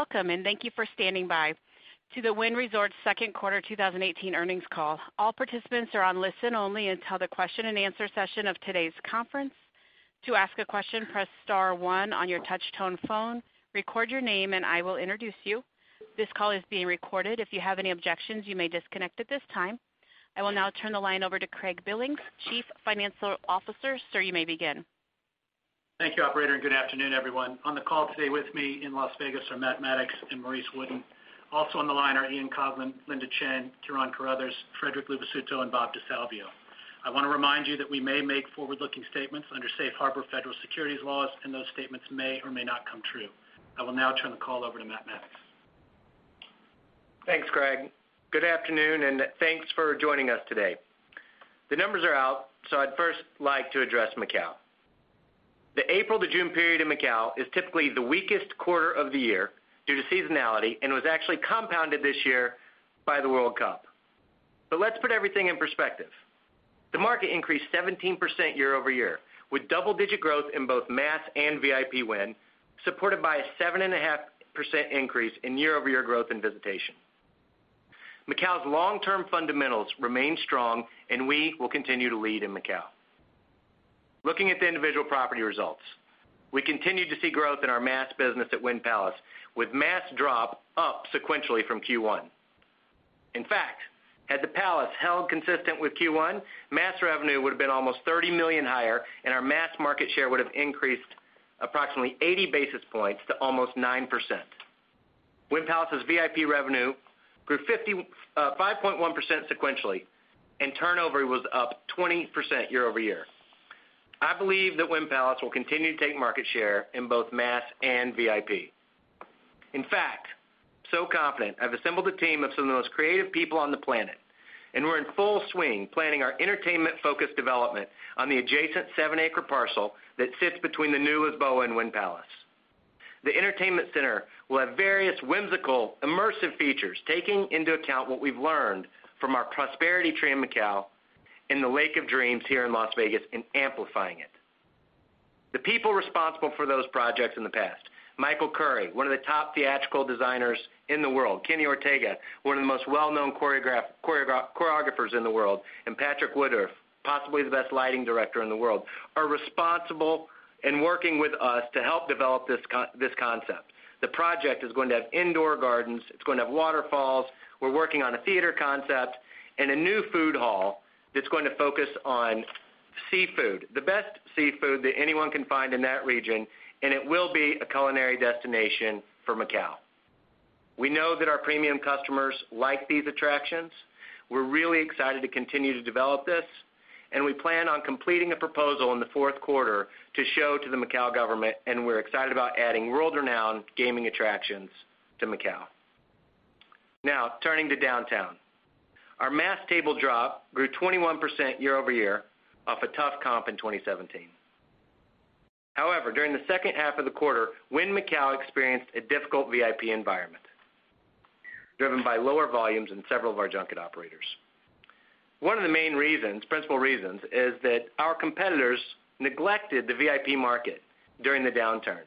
Welcome, thank you for standing by to the Wynn Resorts second quarter 2018 earnings call. All participants are on listen only until the question and answer session of today's conference. To ask a question, press star one on your touch-tone phone, record your name, and I will introduce you. This call is being recorded. If you have any objections, you may disconnect at this time. I will now turn the line over to Craig Billings, Chief Financial Officer. Sir, you may begin. Thank you, operator, good afternoon, everyone. On the call today with me in Las Vegas are Matt Maddox and Maurice Wooden. Also on the line are Ian Coughlan, Linda Chen, Ciarán Carruthers, Frederic Luvisutto, and Robert DeSalvio. I want to remind you that we may make forward-looking statements under Safe Harbor federal securities laws, those statements may or may not come true. I will now turn the call over to Matt Maddox. Thanks, Craig. Good afternoon, thanks for joining us today. The numbers are out, I'd first like to address Macau. The April to June period in Macau is typically the weakest quarter of the year due to seasonality, was actually compounded this year by the World Cup. Let's put everything in perspective. The market increased 17% year-over-year, with double-digit growth in both mass and VIP win, supported by a 7.5% increase in year-over-year growth in visitation. Macau's long-term fundamentals remain strong, we will continue to lead in Macau. Looking at the individual property results, we continue to see growth in our mass business at Wynn Palace, with mass drop up sequentially from Q1. In fact, had the Palace held consistent with Q1, mass revenue would've been almost $30 million higher, our mass market share would've increased approximately 80 basis points to almost 9%. Wynn Palace's VIP revenue grew 5.1% sequentially, turnover was up 20% year-over-year. I believe that Wynn Palace will continue to take market share in both mass and VIP. In fact, so confident, I've assembled a team of some of the most creative people on the planet, we're in full swing planning our entertainment-focused development on the adjacent seven-acre parcel that sits between the new Lisboa and Wynn Palace. The entertainment center will have various whimsical, immersive features, taking into account what we've learned from our Prosperity Tree in Macau, the Lake of Dreams here in Las Vegas, amplifying it. The people responsible for those projects in the past, Michael Curry, one of the top theatrical designers in the world, Kenny Ortega, one of the most well-known choreographers in the world, and Patrick Woodroffe, possibly the best lighting director in the world, are responsible in working with us to help develop this concept. The project is going to have indoor gardens. It's going to have waterfalls. We're working on a theater concept and a new food hall that's going to focus on seafood, the best seafood that anyone can find in that region, and it will be a culinary destination for Macau. We know that our premium customers like these attractions. We're really excited to continue to develop this, and we plan on completing a proposal in the fourth quarter to show to the Macau government, and we're excited about adding world-renowned gaming attractions to Macau. Now, turning to Downtown. Our mass table drop grew 21% year over year off a tough comp in 2017. However, during the second half of the quarter, Wynn Macau experienced a difficult VIP environment, driven by lower volumes in several of our junket operators. One of the main reasons, principal reasons, is that our competitors neglected the VIP market during the downturn,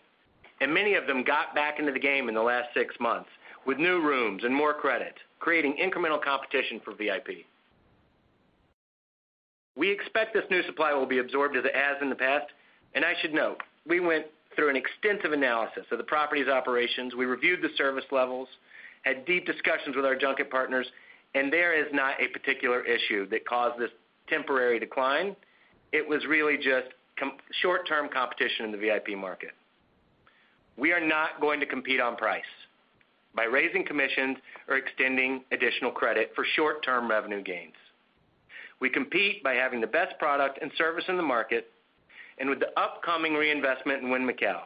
and many of them got back into the game in the last six months with new rooms and more credit, creating incremental competition for VIP. We expect this new supply will be absorbed as in the past, and I should note, we went through an extensive analysis of the property's operations. We reviewed the service levels, had deep discussions with our junket partners, and there is not a particular issue that caused this temporary decline. It was really just short-term competition in the VIP market. We are not going to compete on price by raising commissions or extending additional credit for short-term revenue gains. We compete by having the best product and service in the market, and with the upcoming reinvestment in Wynn Macau,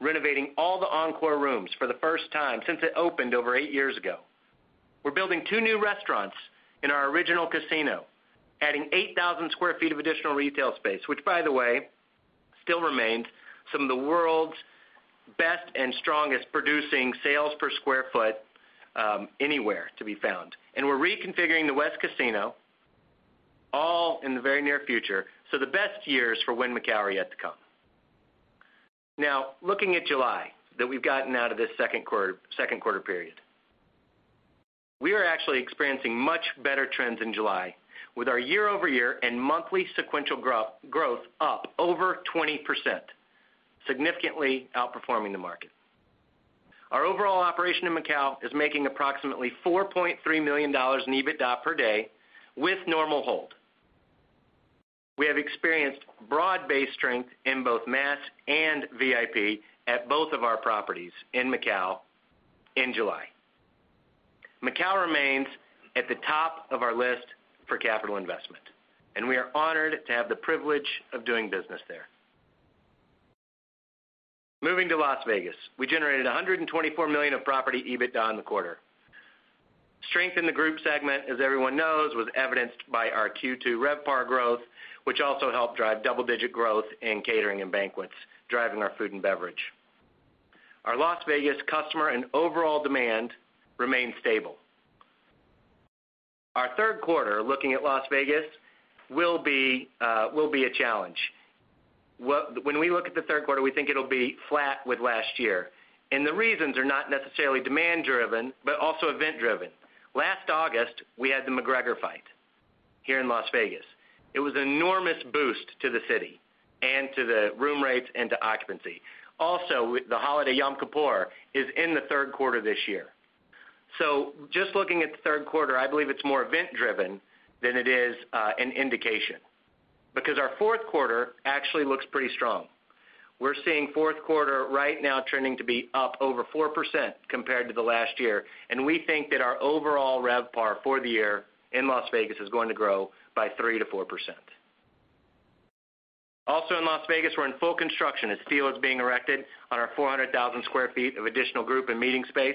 renovating all the Encore rooms for the first time since it opened over eight years ago. We're building two new restaurants in our original casino, adding 8,000 sq ft of additional retail space, which by the way, still remains some of the world's best and strongest producing sales per square foot, anywhere to be found. We're reconfiguring the west casino, all in the very near future. The best years for Wynn Macau are yet to come. Now, looking at July, that we've gotten out of this second quarter period. We are actually experiencing much better trends in July with our year-over-year and monthly sequential growth up over 20%, significantly outperforming the market. Our overall operation in Macau is making approximately $4.3 million in EBITDA per day with normal hold. We have experienced broad-based strength in both mass and VIP at both of our properties in Macau in July. Macau remains at the top of our list for capital investment, and we are honored to have the privilege of doing business there. Moving to Las Vegas, we generated $124 million of property EBITDA in the quarter. Strength in the group segment, as everyone knows, was evidenced by our Q2 RevPAR growth, which also helped drive double-digit growth in catering and banquets, driving our food and beverage. Our Las Vegas customer and overall demand remain stable. Our third quarter, looking at Las Vegas, will be a challenge. When we look at the third quarter, we think it'll be flat with last year. The reasons are not necessarily demand-driven, but also event-driven. Last August, we had the McGregor fight here in Las Vegas. It was an enormous boost to the city, and to the room rates, and to occupancy. Also, the holiday Yom Kippur is in the third quarter this year. Just looking at the third quarter, I believe it's more event-driven than it is an indication, because our fourth quarter actually looks pretty strong. We're seeing fourth quarter right now trending to be up over 4% compared to the last year, and we think that our overall RevPAR for the year in Las Vegas is going to grow by 3%-4%. Also in Las Vegas, we're in full construction as steel is being erected on our 400,000 sq ft of additional group and meeting space.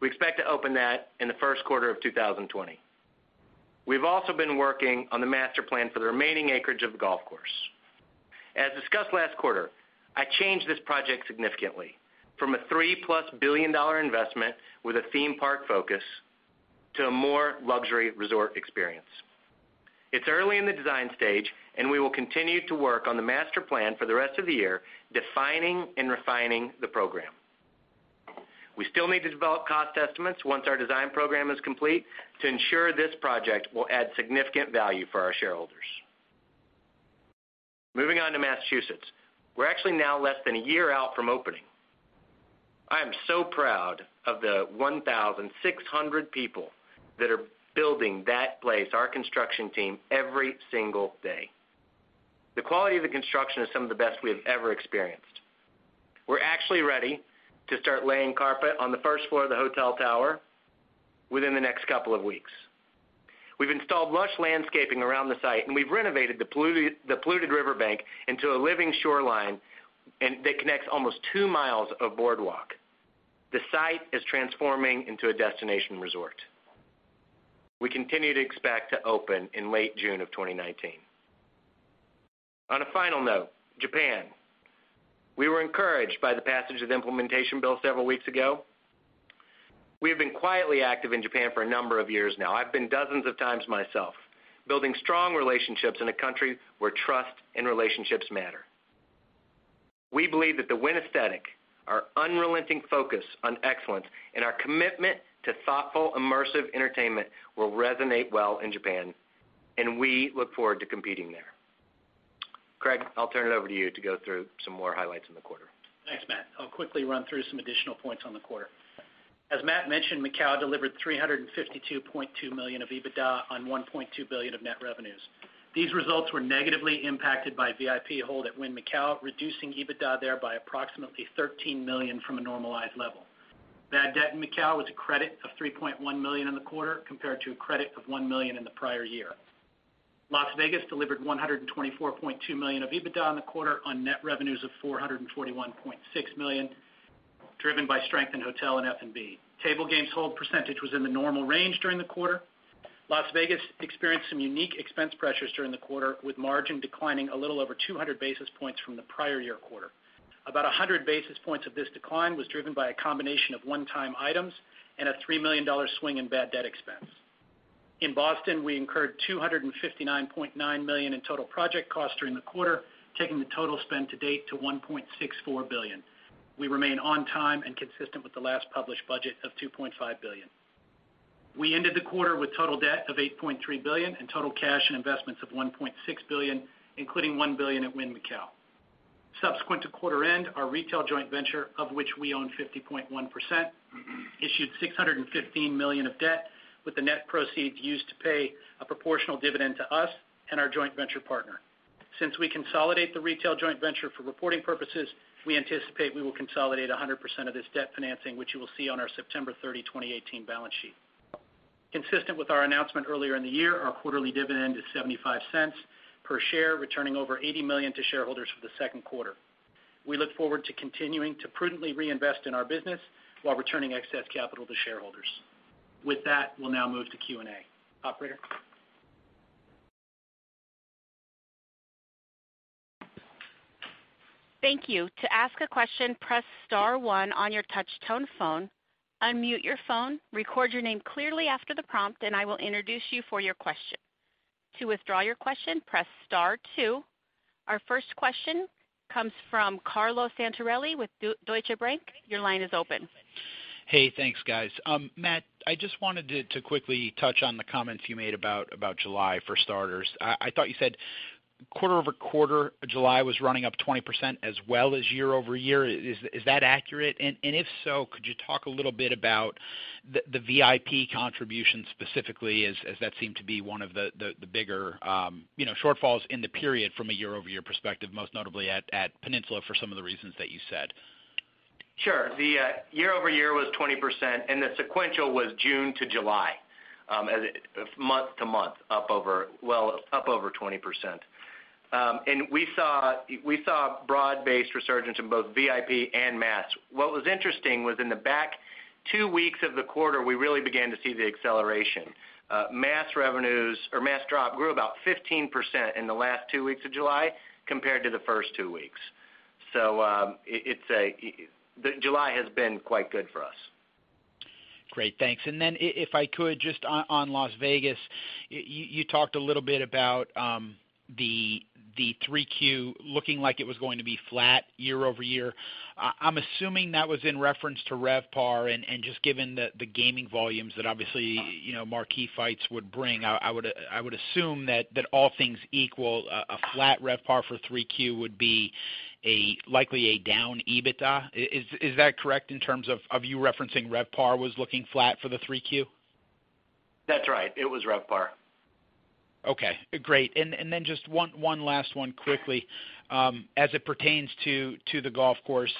We expect to open that in the first quarter of 2020. We've also been working on the master plan for the remaining acreage of the golf course. As discussed last quarter, I changed this project significantly from a $3-plus billion investment with a theme park focus, to a more luxury resort experience. It's early in the design stage. We will continue to work on the master plan for the rest of the year, defining and refining the program. We still need to develop cost estimates once our design program is complete to ensure this project will add significant value for our shareholders. Moving on to Massachusetts. We're actually now less than a year out from opening. I am so proud of the 1,600 people that are building that place, our construction team, every single day. The quality of the construction is some of the best we have ever experienced. We're actually ready to start laying carpet on the first floor of the hotel tower within the next couple of weeks. We've installed lush landscaping around the site, and we've renovated the polluted riverbank into a living shoreline that connects almost 2 mi of boardwalk. The site is transforming into a destination resort. We continue to expect to open in late June of 2019. On a final note, Japan. We were encouraged by the passage of the implementation bill several weeks ago. We have been quietly active in Japan for a number of years now. I've been dozens of times myself, building strong relationships in a country where trust and relationships matter. We believe that the Wynn aesthetic, our unrelenting focus on excellence, and our commitment to thoughtful, immersive entertainment will resonate well in Japan, and we look forward to competing there. Craig, I'll turn it over to you to go through some more highlights in the quarter. Thanks, Matt. I'll quickly run through some additional points on the quarter. As Matt mentioned, Macau delivered $352.2 million of EBITDA on $1.2 billion of net revenues. These results were negatively impacted by VIP hold at Wynn Macau, reducing EBITDA there by approximately $13 million from a normalized level. Bad debt in Macau was a credit of $3.1 million in the quarter, compared to a credit of $1 million in the prior year. Las Vegas delivered $124.2 million of EBITDA in the quarter on net revenues of $441.6 million, driven by strength in hotel and F&B. Table games hold percentage was in the normal range during the quarter. Las Vegas experienced some unique expense pressures during the quarter, with margin declining a little over 200 basis points from the prior year quarter. About 100 basis points of this decline was driven by a combination of one-time items and a $3 million swing in bad debt expense. In Boston, we incurred $259.9 million in total project costs during the quarter, taking the total spend to date to $1.64 billion. We remain on time and consistent with the last published budget of $2.5 billion. We ended the quarter with total debt of $8.3 billion and total cash and investments of $1.6 billion, including $1 billion at Wynn Macau. Subsequent to quarter end, our retail joint venture, of which we own 50.1%, issued $615 million of debt with the net proceeds used to pay a proportional dividend to us and our joint venture partner. Since we consolidate the retail joint venture for reporting purposes, we anticipate we will consolidate 100% of this debt financing, which you will see on our September 30, 2018 balance sheet. Consistent with our announcement earlier in the year, our quarterly dividend is $0.75 per share, returning over $80 million to shareholders for the second quarter. We look forward to continuing to prudently reinvest in our business while returning excess capital to shareholders. With that, we'll now move to Q&A. Operator? Thank you. To ask a question, press *1 on your touch-tone phone, unmute your phone, record your name clearly after the prompt, and I will introduce you for your question. To withdraw your question, press *2. Our first question comes from Carlo Santarelli with Deutsche Bank. Your line is open. Hey, thanks guys. Matt, I just wanted to quickly touch on the comments you made about July, for starters. I thought you said quarter-over-quarter, July was running up 20% as well as year-over-year. Is that accurate? If so, could you talk a little bit about the VIP contribution specifically, as that seemed to be one of the bigger shortfalls in the period from a year-over-year perspective, most notably at Peninsula for some of the reasons that you said? Sure. The year-over-year was 20%, the sequential was June to July, month-to-month, up over 20%. We saw broad-based resurgence in both VIP and mass. What was interesting was in the back two weeks of the quarter, we really began to see the acceleration. Mass drop grew about 15% in the last two weeks of July compared to the first two weeks. July has been quite good for us. Great, thanks. If I could, just on Las Vegas, you talked a little bit about the 3Q looking like it was going to be flat year-over-year. I'm assuming that was in reference to RevPAR, just given the gaming volumes that obviously marquee fights would bring. I would assume that all things equal, a flat RevPAR for 3Q would be likely a down EBITDA. Is that correct in terms of you referencing RevPAR was looking flat for the 3Q? That's right. It was RevPAR. Okay, great. Just one last one quickly. As it pertains to the golf course,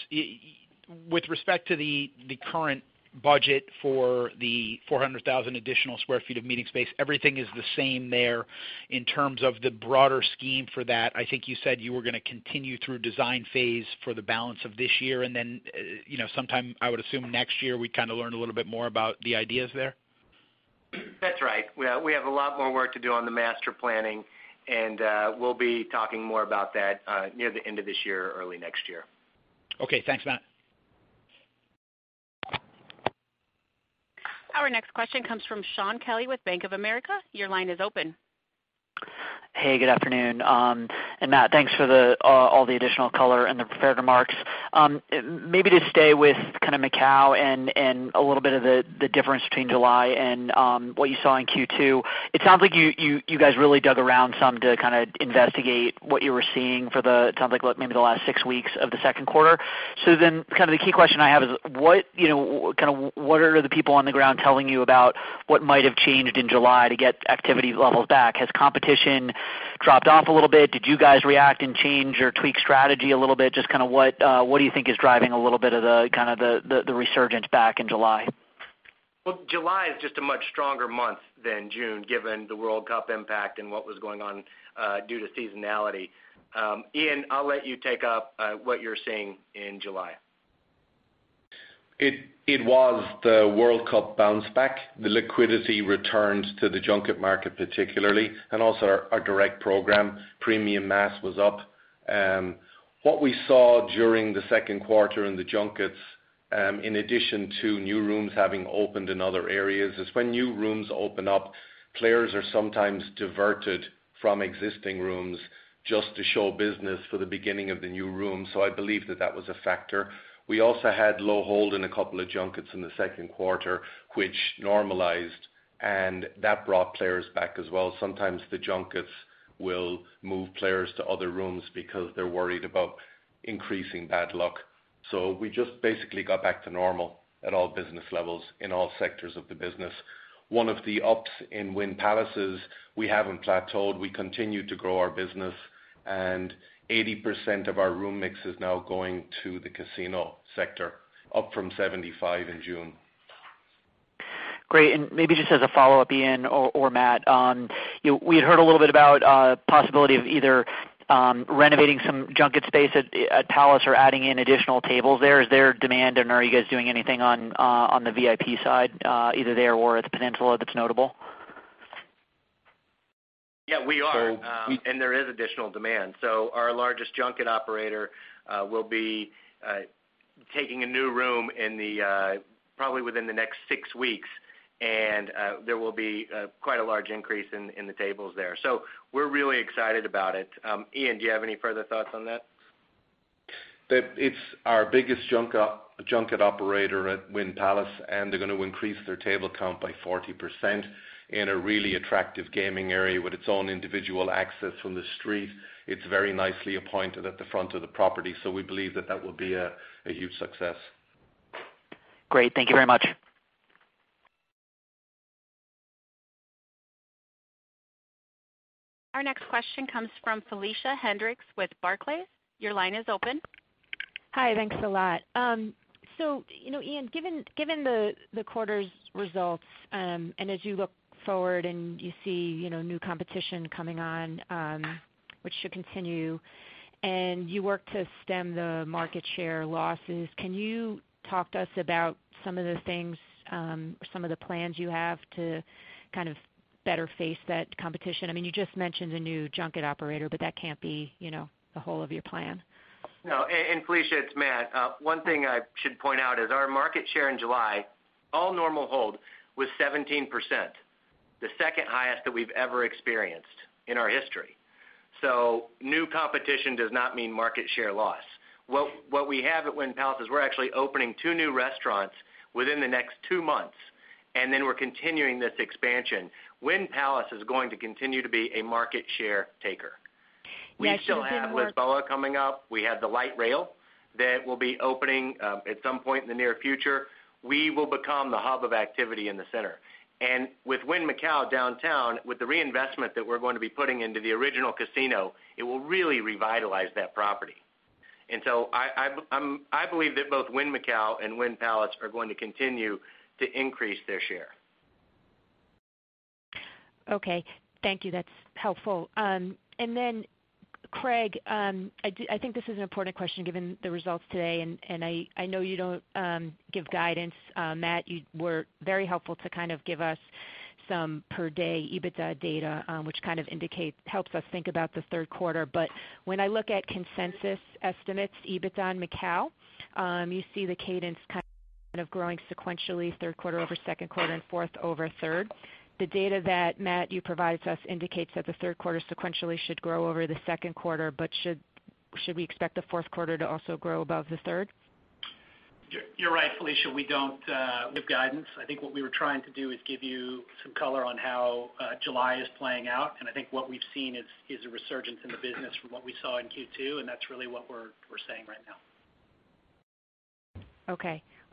with respect to the current budget for the 400,000 additional sq ft of meeting space, everything is the same there in terms of the broader scheme for that. I think you said you were going to continue through design phase for the balance of this year, sometime, I would assume next year, we learn a little bit more about the ideas there? That's right. We have a lot more work to do on the master planning, we'll be talking more about that near the end of this year or early next year. Okay. Thanks, Matt. Our next question comes from Shaun Kelley with Bank of America. Your line is open. Hey, good afternoon. Matt, thanks for all the additional color and the prepared remarks. Maybe to stay with Macau and a little bit of the difference between July and what you saw in Q2, it sounds like you guys really dug around some to investigate what you were seeing for the, it sounds like maybe the last six weeks of the second quarter. The key question I have is, what are the people on the ground telling you about what might have changed in July to get activity levels back? Has competition dropped off a little bit? Did you guys react and change or tweak strategy a little bit? Just what do you think is driving a little bit of the resurgence back in July? Well, July is just a much stronger month than June, given the World Cup impact and what was going on due to seasonality. Ian, I'll let you take up what you're seeing in July. It was the World Cup bounce back. The liquidity returned to the junket market particularly, and also our direct program. Premium mass was up. What we saw during the second quarter in the junkets, in addition to new rooms having opened in other areas, is when new rooms open up, players are sometimes diverted from existing rooms just to show business for the beginning of the new room. I believe that that was a factor. We also had low hold in a couple of junkets in the second quarter, which normalized, and that brought players back as well. Sometimes the junkets will move players to other rooms because they're worried about increasing bad luck. We just basically got back to normal at all business levels in all sectors of the business. One of the ups in Wynn Palace is we haven't plateaued. We continue to grow our business, 80% of our room mix is now going to the casino sector, up from 75% in June. Great. Maybe just as a follow-up, Ian or Matt, we had heard a little bit about possibility of either renovating some junket space at Wynn Palace or adding in additional tables there. Is there demand, and are you guys doing anything on the VIP side, either there or at the Peninsula that's notable? Yeah, we are. There is additional demand. Our largest junket operator will be taking a new room probably within the next six weeks, and there will be quite a large increase in the tables there. We're really excited about it. Ian, do you have any further thoughts on that? It's our biggest junket operator at Wynn Palace, and they're going to increase their table count by 40% in a really attractive gaming area with its own individual access from the street. It's very nicely appointed at the front of the property, we believe that that will be a huge success. Great. Thank you very much. Our next question comes from Felicia Hendrix with Barclays. Your line is open. Hi. Thanks a lot. Ian, given the quarter's results, as you look forward and you see new competition coming on, which should continue, you work to stem the market share losses, can you talk to us about some of the things, or some of the plans you have to better face that competition? You just mentioned a new junket operator, that can't be the whole of your plan. No. Felicia, it's Matt. One thing I should point out is our market share in July, all normal hold, was 17%, the second highest that we've ever experienced in our history. New competition does not mean market share loss. What we have at Wynn Palace is we're actually opening two new restaurants within the next two months, then we're continuing this expansion. Wynn Palace is going to continue to be a market share taker. Yes. You said more- We still have Lisboa coming up. We have the light rail that will be opening up at some point in the near future. We will become the hub of activity in the center. With Wynn Macau Downtown, with the reinvestment that we're going to be putting into the original casino, it will really revitalize that property. I believe that both Wynn Macau and Wynn Palace are going to continue to increase their share. Okay. Thank you. That's helpful. Craig, I think this is an important question given the results today, I know you don't give guidance. Matt, you were very helpful to give us some per day EBITDA data, which helps us think about the third quarter. When I look at consensus estimates, EBITDA in Macau, you see the cadence kind of growing sequentially, third quarter over second quarter and fourth over third. The data that, Matt, you provided to us indicates that the third quarter sequentially should grow over the second quarter, should we expect the fourth quarter to also grow above the third? You're right, Felicia, we don't give guidance. I think what we were trying to do is give you some color on how July is playing out. I think what we've seen is a resurgence in the business from what we saw in Q2. That's really what we're saying right now.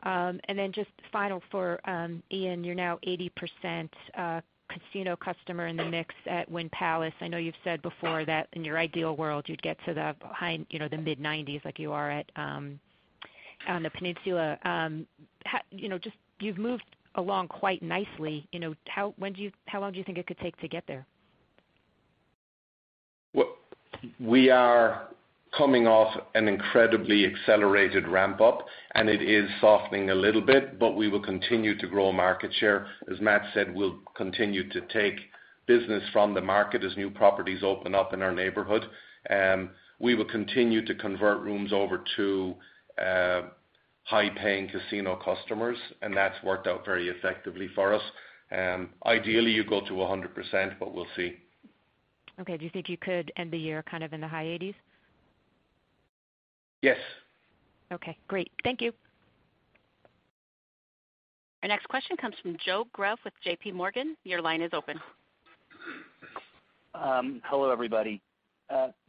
Okay. Just final for Ian, you're now 80% casino customer in the mix at Wynn Palace. I know you've said before that in your ideal world, you'd get to the mid-90s like you are on the Peninsula. You've moved along quite nicely. How long do you think it could take to get there? We are coming off an incredibly accelerated ramp-up, and it is softening a little bit, but we will continue to grow market share. As Matt said, we'll continue to take business from the market as new properties open up in our neighborhood. We will continue to convert rooms over to high-paying casino customers, and that's worked out very effectively for us. Ideally, you go to 100%, but we'll see. Okay. Do you think you could end the year in the high 80s? Yes. Okay, great. Thank you. Our next question comes from Joseph Greff with J.P. Morgan. Your line is open. Hello, everybody.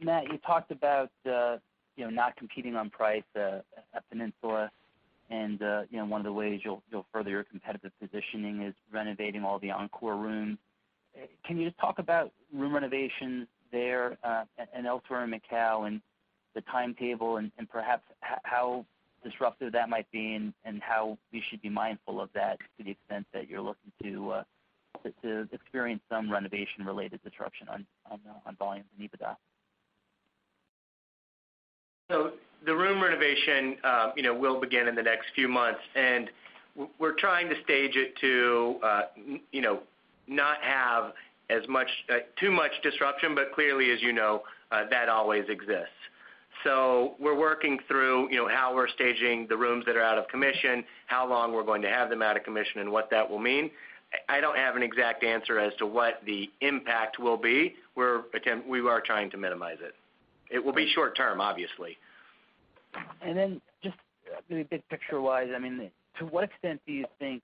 Matt, you talked about not competing on price at Peninsula and one of the ways you'll further your competitive positioning is renovating all the Encore rooms. Can you just talk about room renovations there, and elsewhere in Macau, and the timetable and perhaps how disruptive that might be and how we should be mindful of that to the extent that you're looking to experience some renovation-related disruption on volume and EBITDA? The room renovation will begin in the next few months, we're trying to stage it to not have too much disruption. Clearly, as you know, that always exists. We're working through how we're staging the rooms that are out of commission, how long we're going to have them out of commission, and what that will mean. I don't have an exact answer as to what the impact will be. We are trying to minimize it. It will be short-term, obviously. Just big picture-wise, to what extent do you think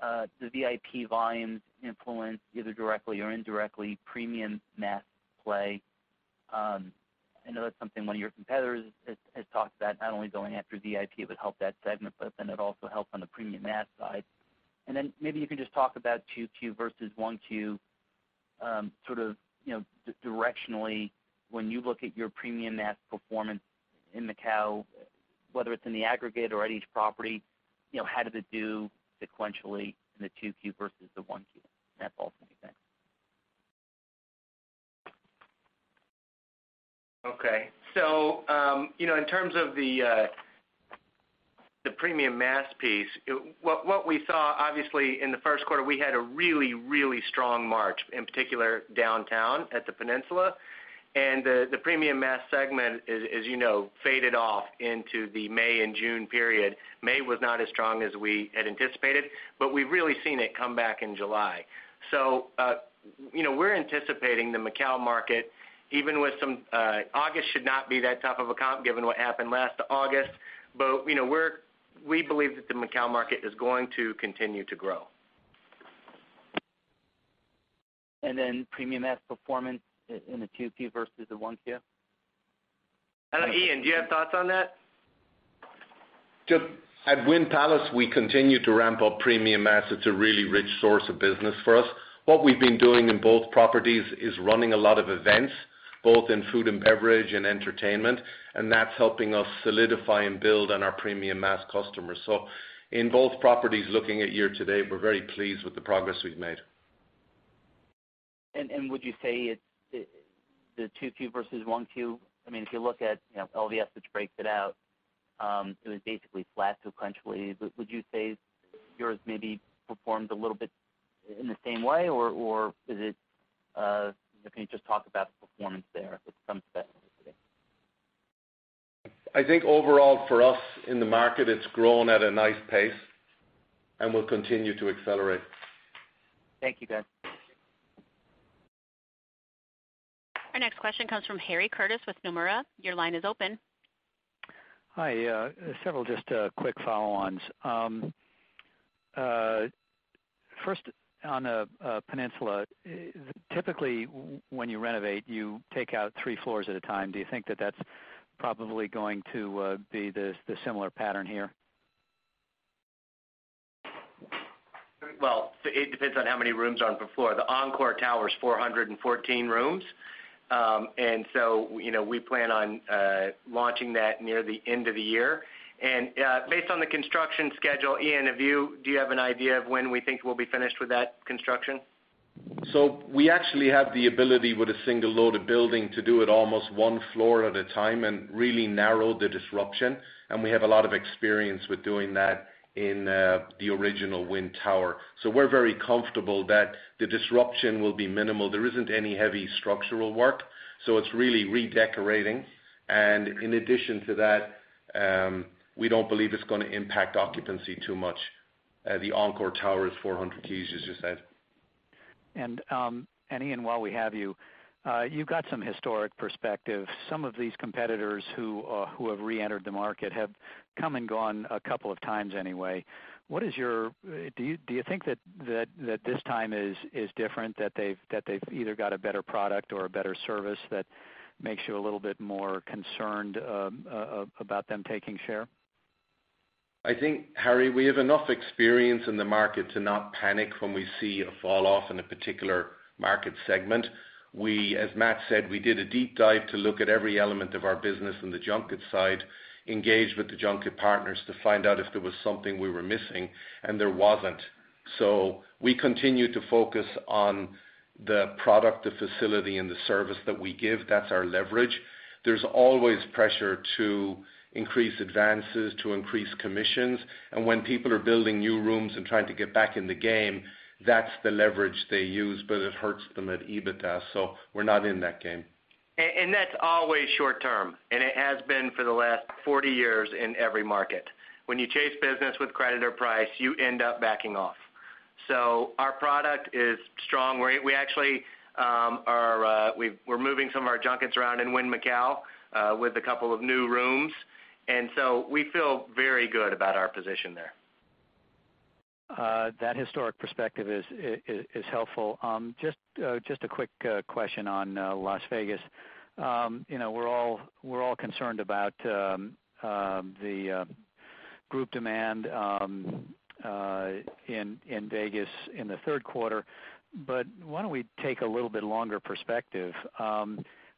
the VIP volumes influence, either directly or indirectly, premium mass play? I know that's something one of your competitors has talked about, not only going after VIP would help that segment, it also helps on the premium mass side. Maybe you can just talk about 2Q versus 1Q directionally, when you look at your premium mass performance in Macau, whether it's in the aggregate or at each property, how did it do sequentially in the 2Q versus the 1Q? That's all. Thanks. Okay. In terms of the premium mass piece, what we saw, obviously, in the first quarter, we had a really, really strong March, in particular downtown at the Peninsula. The premium mass segment, as you know, faded off into the May and June period. May was not as strong as we had anticipated, we've really seen it come back in July. We're anticipating the Macau market, August should not be that tough of a comp given what happened last August, we believe that the Macau market is going to continue to grow. premium mass performance in the 2Q versus the 1Q? Ian, do you have thoughts on that? At Wynn Palace, we continue to ramp up premium mass. It's a really rich source of business for us. What we've been doing in both properties is running a lot of events, both in food and beverage and entertainment, and that's helping us solidify and build on our premium mass customers. In both properties, looking at year to date, we're very pleased with the progress we've made. Would you say the 2Q versus 1Q, if you look at LVS, which breaks it out, it was basically flat sequentially. Would you say yours maybe performed a little bit in the same way, or can you just talk about the performance there if it comes to that today? I think overall for us in the market, it's grown at a nice pace and will continue to accelerate. Thank you, guys. Our next question comes from Harry Curtis with Nomura. Your line is open. Hi. Several just quick follow-ons. First, on Peninsula, typically when you renovate, you take out three floors at a time. Do you think that that's probably going to be the similar pattern here? Well, it depends on how many rooms are on per floor. The Encore tower is 414 rooms. So we plan on launching that near the end of the year. Based on the construction schedule, Ian, do you have an idea of when we think we'll be finished with that construction? We actually have the ability with a single load of building to do it almost one floor at a time and really narrow the disruption, and we have a lot of experience with doing that in the original Wynn tower. We're very comfortable that the disruption will be minimal. There isn't any heavy structural work, so it's really redecorating. In addition to that, we don't believe it's going to impact occupancy too much. The Encore tower is 400 keys, as you said. Ian, while we have you've got some historic perspective. Some of these competitors who have re-entered the market have come and gone a couple of times anyway. Do you think that this time is different, that they've either got a better product or a better service that makes you a little bit more concerned about them taking share? I think, Harry, we have enough experience in the market to not panic when we see a fall off in a particular market segment. As Matt said, we did a deep dive to look at every element of our business in the junket side, engaged with the junket partners to find out if there was something we were missing, and there wasn't. We continue to focus on the product, the facility, and the service that we give. That's our leverage. There's always pressure to increase advances, to increase commissions. When people are building new rooms and trying to get back in the game, that's the leverage they use, but it hurts them at EBITDA, so we're not in that game. That's always short term, it has been for the last 40 years in every market. When you chase business with creditor price, you end up backing off. Our product is strong. We're moving some of our junkets around in Wynn Macau with a couple of new rooms, we feel very good about our position there. That historic perspective is helpful. Just a quick question on Las Vegas. We're all concerned about the group demand in Vegas in the third quarter, why don't we take a little bit longer perspective?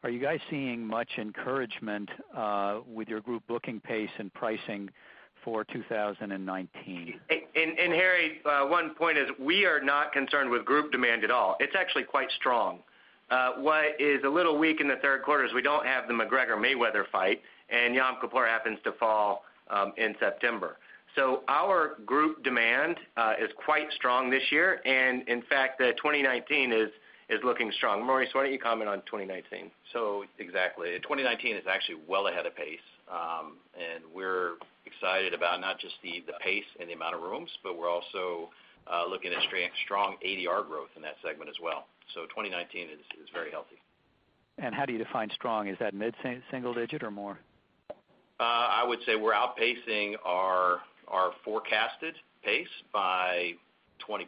Are you guys seeing much encouragement with your group booking pace and pricing for 2019? Harry, one point is we are not concerned with group demand at all. It's actually quite strong. What is a little weak in the third quarter is we don't have the McGregor-Mayweather fight, Yom Kippur happens to fall in September. Our group demand is quite strong this year. In fact, 2019 is looking strong. Maurice, why don't you comment on 2019? Exactly. 2019 is actually well ahead of pace, we're excited about not just the pace and the amount of rooms, we're also looking at strong ADR growth in that segment as well. 2019 is very healthy. How do you define strong? Is that mid-single digit or more? I would say we're outpacing our forecasted pace by 20%.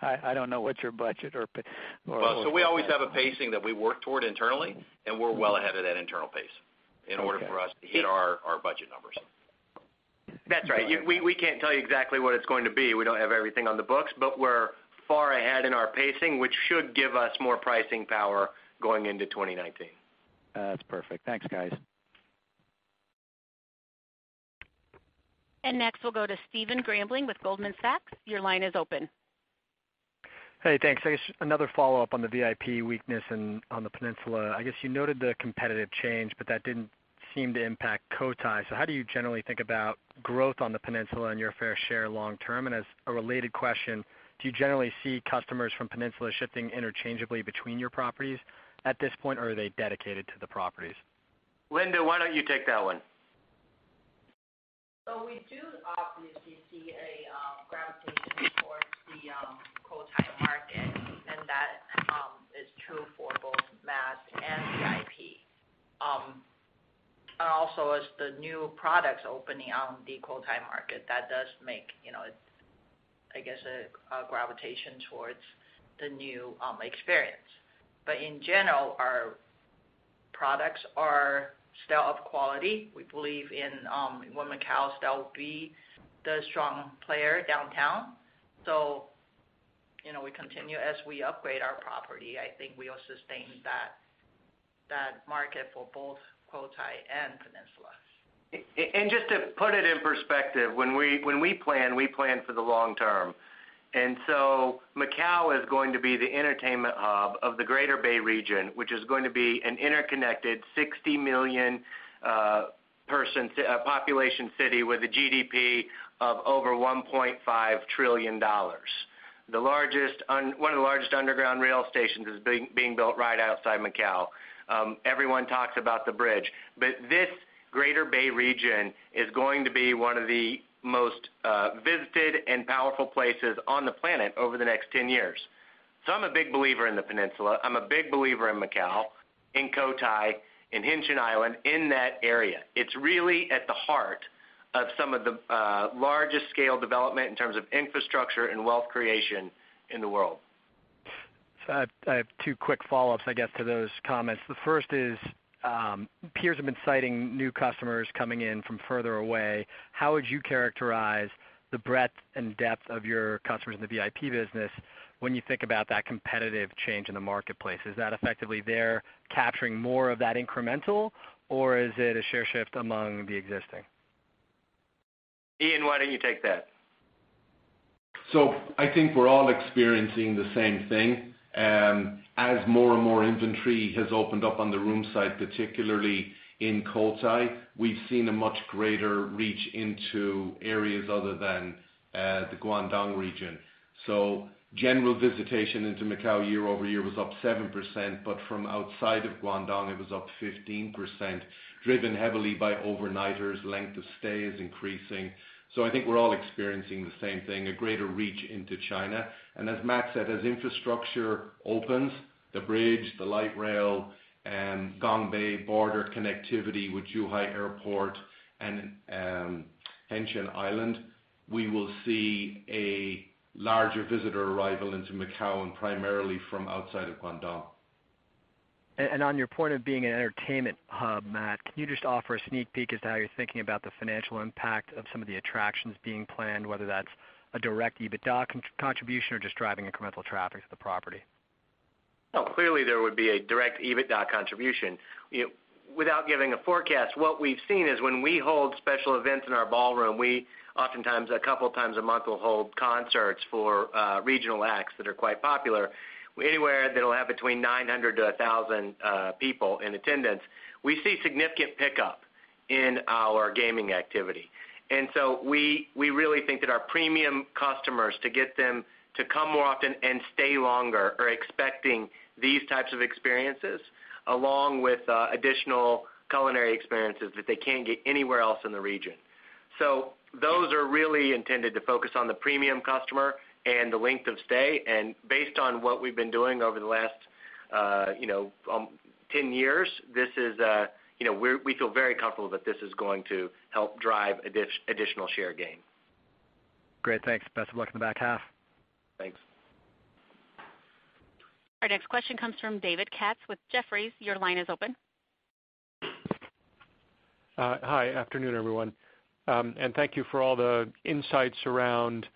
I don't know what your budget or pace is. We always have a pacing that we work toward internally, and we're well ahead of that internal pace in order for us to hit our budget numbers. That's right. We can't tell you exactly what it's going to be. We don't have everything on the books, but we're far ahead in our pacing, which should give us more pricing power going into 2019. That's perfect. Thanks, guys. Next, we'll go to Stephen Grambling with Goldman Sachs. Your line is open. Hey, thanks. I guess another follow-up on the VIP weakness on the Peninsula. I guess you noted the competitive change, but that didn't seem to impact Cotai. How do you generally think about growth on the Peninsula and your fair share long term? As a related question, do you generally see customers from Peninsula shifting interchangeably between your properties at this point, or are they dedicated to the properties? Linda, why don't you take that one? We do obviously see a gravitation towards the Cotai market, and that is true for both mass and VIP. Also as the new products opening on the Cotai market, that does make a gravitation towards the new experience. In general, our products are still of quality. We believe in Wynn Macau still be the strong player downtown. We continue as we upgrade our property. I think we will sustain that market for both Cotai and Peninsula. Just to put it in perspective, when we plan, we plan for the long term. Macau is going to be the entertainment hub of the Greater Bay Region, which is going to be an interconnected 60 million population city with a GDP of over $1.5 trillion. One of the largest underground rail stations is being built right outside Macau. Everyone talks about the bridge, but this Greater Bay Region is going to be one of the most visited and powerful places on the planet over the next 10 years. I'm a big believer in the Peninsula. I'm a big believer in Macau, in Cotai, in Hengqin Island, in that area. It's really at the heart of some of the largest scale development in terms of infrastructure and wealth creation in the world. I have two quick follow-ups, I guess, to those comments. The first is, peers have been citing new customers coming in from further away. How would you characterize the breadth and depth of your customers in the VIP business when you think about that competitive change in the marketplace? Is that effectively they're capturing more of that incremental, or is it a share shift among the existing? Ian, why don't you take that? I think we're all experiencing the same thing. As more and more inventory has opened up on the room side, particularly in Cotai, we've seen a much greater reach into areas other than the Guangdong region. General visitation into Macau year-over-year was up 7%, but from outside of Guangdong, it was up 15%, driven heavily by overnighters. Length of stay is increasing. I think we're all experiencing the same thing, a greater reach into China. As Matt said, as infrastructure opens, the bridge, the light rail, and Gongbei border connectivity with Zhuhai Airport and Hengqin Island, we will see a larger visitor arrival into Macau, and primarily from outside of Guangdong. On your point of being an entertainment hub, Matt, can you just offer a sneak peek as to how you're thinking about the financial impact of some of the attractions being planned, whether that's a direct EBITDA contribution or just driving incremental traffic to the property? Clearly, there would be a direct EBITDA contribution. Without giving a forecast, what we've seen is when we hold special events in our ballroom, we oftentimes, a couple times a month, will hold concerts for regional acts that are quite popular. Anywhere that'll have between 900 to 1,000 people in attendance. We see significant pickup in our gaming activity. We really think that our premium customers, to get them to come more often and stay longer, are expecting these types of experiences, along with additional culinary experiences that they can't get anywhere else in the region. Those are really intended to focus on the premium customer and the length of stay. Based on what we've been doing over the last 10 years, we feel very comfortable that this is going to help drive additional share gain. Great, thanks. Best of luck in the back half. Thanks. Our next question comes from David Katz with Jefferies. Your line is open. Hi. Afternoon, everyone. Thank you for all the insights around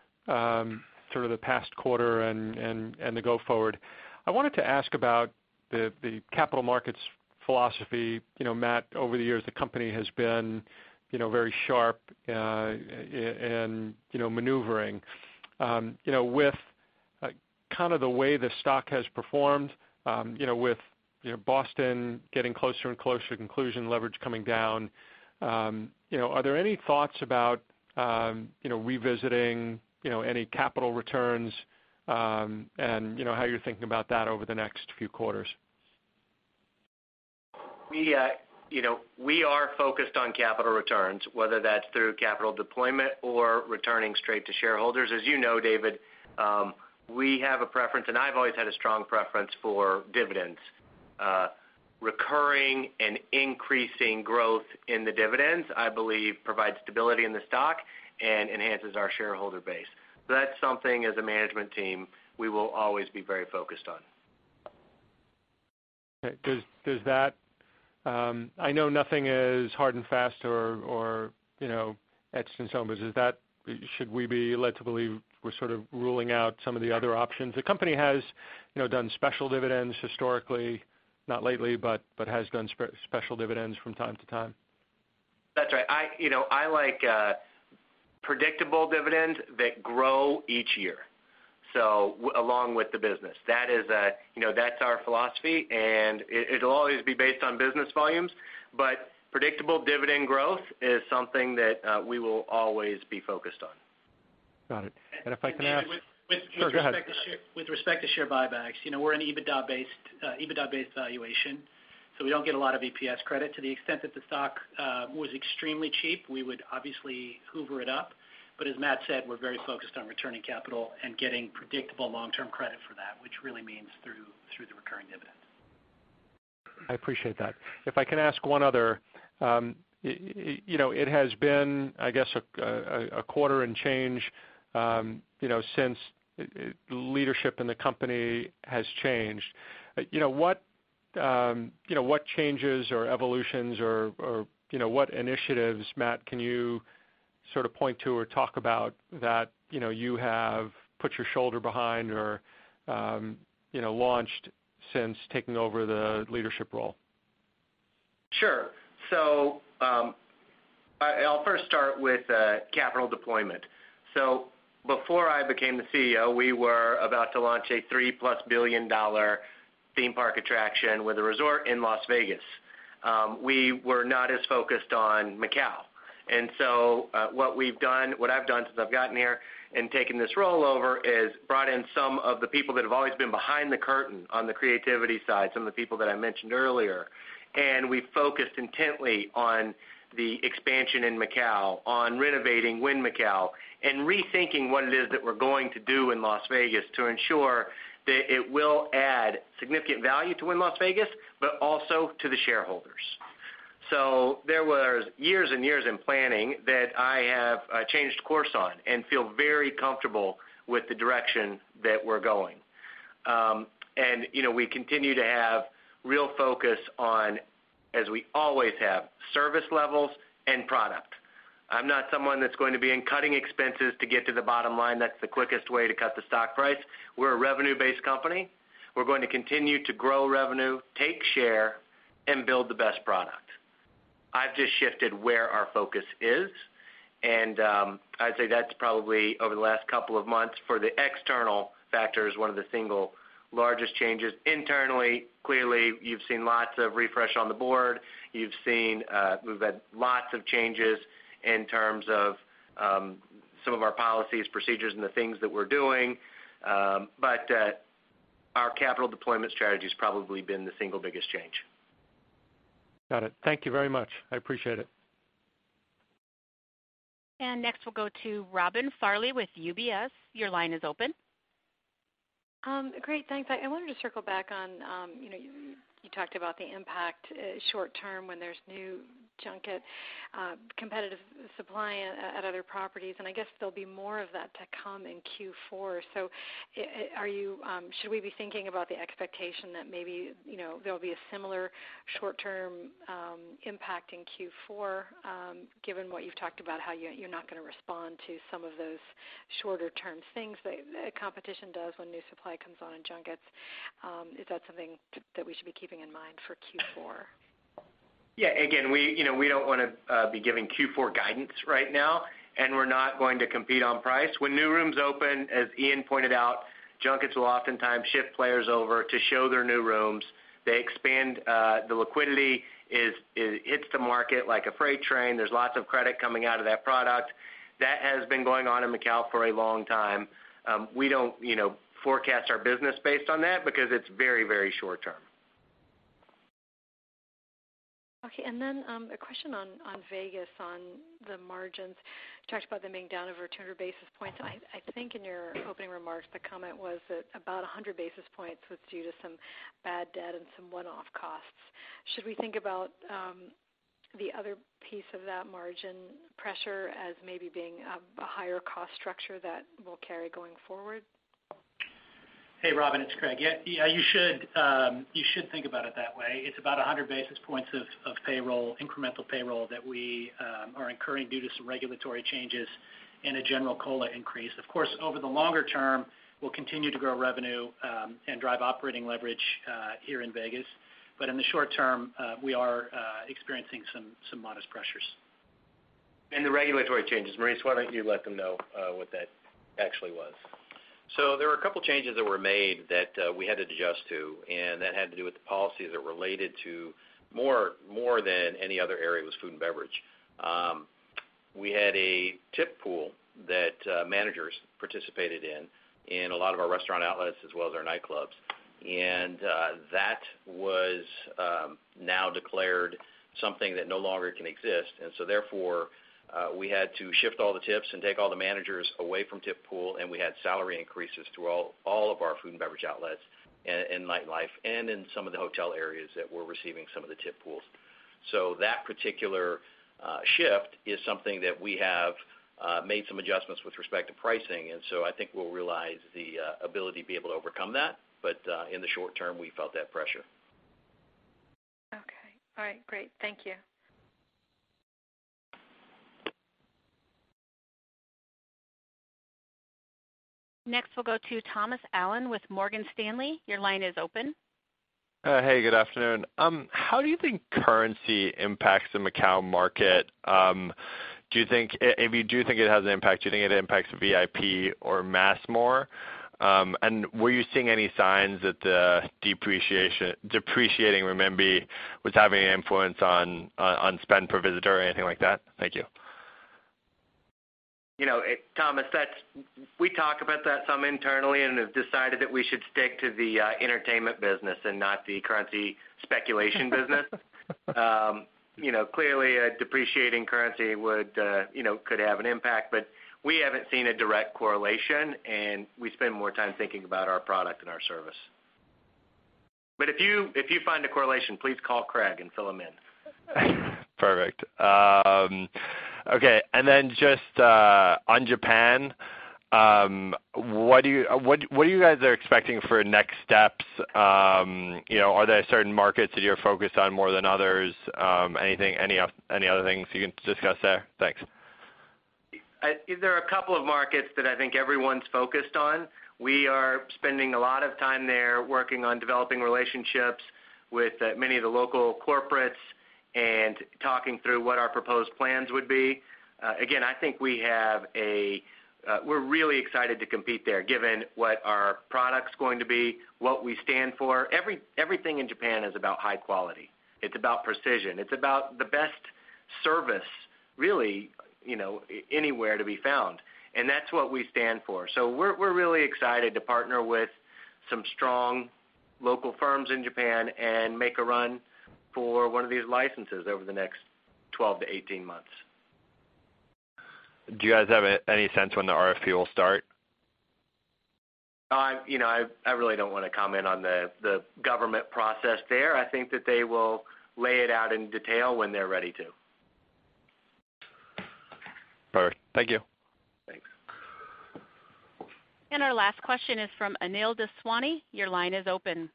sort of the past quarter and the go forward. I wanted to ask about the capital markets philosophy. Matt, over the years, the company has been very sharp in maneuvering. With kind of the way the stock has performed, with Boston getting closer and closer to conclusion, leverage coming down, are there any thoughts about revisiting any capital returns, and how you're thinking about that over the next few quarters? We are focused on capital returns, whether that's through capital deployment or returning straight to shareholders. As you know, David, we have a preference, and I've always had a strong preference for dividends. Recurring and increasing growth in the dividends, I believe, provides stability in the stock and enhances our shareholder base. That's something, as a management team, we will always be very focused on. Okay. I know nothing is hard and fast or etched in stone, but should we be led to believe we're sort of ruling out some of the other options? The company has done special dividends historically, not lately, but has done special dividends from time to time. That's right. I like predictable dividends that grow each year, along with the business. That's our philosophy, and it'll always be based on business volumes, but predictable dividend growth is something that we will always be focused on. Got it. If I can ask. David. Oh, go ahead With respect to share buybacks, we're an EBITDA-based valuation, we don't get a lot of EPS credit. To the extent that the stock was extremely cheap, we would obviously Hoover it up. As Matt said, we're very focused on returning capital and getting predictable long-term credit for that, which really means through the recurring dividends. I appreciate that. If I can ask one other. It has been, I guess, a quarter and change since leadership in the company has changed. What changes or evolutions or what initiatives, Matt, can you sort of point to or talk about that you have put your shoulder behind or launched since taking over the leadership role? Sure. I'll first start with capital deployment. Before I became the CEO, we were about to launch a $3+ billion theme park attraction with a resort in Las Vegas. We were not as focused on Macau. What I've done since I've gotten here and taken this role over is brought in some of the people that have always been behind the curtain on the creativity side, some of the people that I mentioned earlier, and we've focused intently on the expansion in Macau, on renovating Wynn Macau, and rethinking what it is that we're going to do in Las Vegas to ensure that it will add significant value to Wynn Las Vegas, but also to the shareholders. There was years and years in planning that I have changed course on and feel very comfortable with the direction that we're going. We continue to have real focus on, as we always have, service levels and product. I'm not someone that's going to be in cutting expenses to get to the bottom line. That's the quickest way to cut the stock price. We're a revenue-based company. We're going to continue to grow revenue, take share and build the best product. I've just shifted where our focus is, and I'd say that's probably over the last couple of months for the external factors, one of the single largest changes. Internally, clearly, you've seen lots of refresh on the board. You've seen we've had lots of changes in terms of some of our policies, procedures, and the things that we're doing. Our capital deployment strategy has probably been the single biggest change. Got it. Thank you very much. I appreciate it. Next, we'll go to Robin Farley with UBS. Your line is open. Great. Thanks. I wanted to circle back on, you talked about the impact short term when there's new junket competitive supply at other properties, and I guess there'll be more of that to come in Q4. Should we be thinking about the expectation that maybe there'll be a similar short-term impact in Q4, given what you've talked about how you're not going to respond to some of those shorter-term things that competition does when new supply comes on in junkets. Is that something that we should be keeping in mind for Q4? Yeah. Again, we don't want to be giving Q4 guidance right now, we're not going to compete on price. When new rooms open, as Ian pointed out, junkets will oftentimes shift players over to show their new rooms. They expand. The liquidity hits the market like a freight train. There's lots of credit coming out of that product. That has been going on in Macau for a long time. We don't forecast our business based on that because it's very short-term. Okay, a question on Vegas, on the margins. You talked about them being down over 200 basis points. I think in your opening remarks, the comment was that about 100 basis points was due to some bad debt and some one-off costs. Should we think about the other piece of that margin pressure as maybe being a higher cost structure that we'll carry going forward? Hey, Robin, it's Craig. Yeah, you should think about it that way. It's about 100 basis points of incremental payroll that we are incurring due to some regulatory changes and a general COLA increase. Of course, over the longer term, we'll continue to grow revenue, and drive operating leverage here in Vegas. In the short term, we are experiencing some modest pressures. The regulatory changes. Maurice, why don't you let them know what that actually was? There were a couple changes that were made that we had to adjust to, and that had to do with the policies that related to more than any other area, was food and beverage. We had a tip pool that managers participated in a lot of our restaurant outlets as well as our nightclubs. That was now declared something that no longer can exist. Therefore, we had to shift all the tips and take all the managers away from tip pool, and we had salary increases to all of our food and beverage outlets and nightlife and in some of the hotel areas that were receiving some of the tip pools. That particular shift is something that we have made some adjustments with respect to pricing, and so I think we'll realize the ability to be able to overcome that. In the short term, we felt that pressure. Okay. All right, great. Thank you. Next, we'll go to Thomas Allen with Morgan Stanley. Your line is open. Hey, good afternoon. How do you think currency impacts the Macau market? If you do think it has an impact, do you think it impacts VIP or mass more? Were you seeing any signs that the depreciating renminbi was having an influence on spend per visitor or anything like that? Thank you. Thomas, we talk about that some internally and have decided that we should stick to the entertainment business and not the currency speculation business. Clearly, a depreciating currency could have an impact, we haven't seen a direct correlation, we spend more time thinking about our product and our service. If you find a correlation, please call Craig and fill him in. Perfect. Okay. Just on Japan, what are you guys expecting for next steps? Are there certain markets that you're focused on more than others? Any other things you can discuss there? Thanks. There are a couple of markets that I think everyone's focused on. We are spending a lot of time there working on developing relationships with many of the local corporates and talking through what our proposed plans would be. Again, I think we're really excited to compete there given what our product's going to be, what we stand for. Everything in Japan is about high quality. It's about precision. It's about the best service, really, anywhere to be found. That's what we stand for. We're really excited to partner with some strong local firms in Japan and make a run for one of these licenses over the next 12 to 18 months. Do you guys have any sense when the RFP will start? I really don't want to comment on the government process there. I think that they will lay it out in detail when they're ready to. Perfect. Thank you. Thanks. Our last question is from Anil Daswani. Your line is open.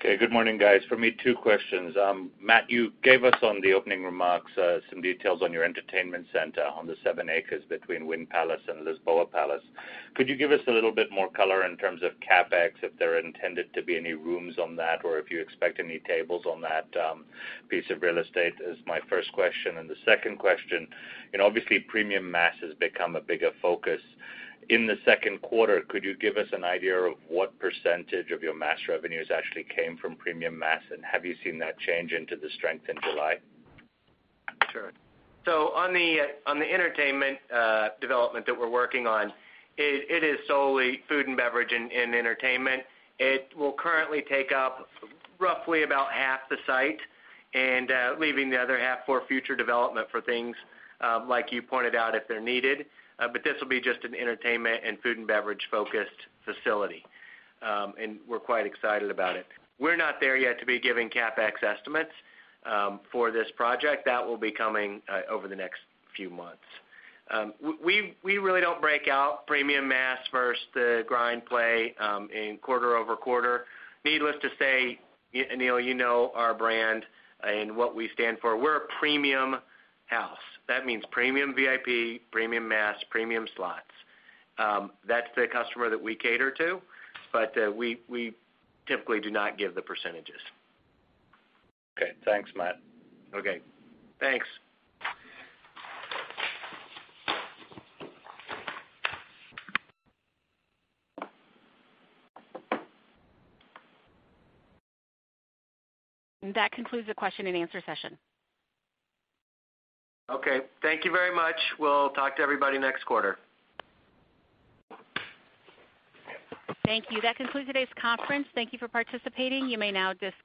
Okay, good morning, guys. From me, two questions. Matt, you gave us on the opening remarks some details on your entertainment center on the seven acres between Wynn Palace and Lisboa Palace. Could you give us a little bit more color in terms of CapEx, if there are intended to be any rooms on that, or if you expect any tables on that piece of real estate is my first question. The second question, obviously premium mass has become a bigger focus. In the second quarter, could you give us an idea of what % of your mass revenues actually came from premium mass, and have you seen that change into the strength in July? Sure. On the entertainment development that we're working on, it is solely food and beverage and entertainment. It will currently take up roughly about half the site and leaving the other half for future development for things, like you pointed out, if they're needed. This will be just an entertainment and food and beverage-focused facility. We're quite excited about it. We're not there yet to be giving CapEx estimates for this project. That will be coming over the next few months. We really don't break out premium mass versus the grind play in quarter-over-quarter. Needless to say, Anil, you know our brand and what we stand for. We're a premium house. That means premium VIP, premium mass, premium slots. That's the customer that we cater to, but we typically do not give the %s. Okay, thanks, Matt. Okay, thanks. That concludes the question and answer session. Okay, thank you very much. We'll talk to everybody next quarter. Thank you. That concludes today's conference. Thank you for participating. You may now disconnect.